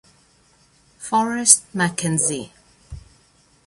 Forrest McKenzie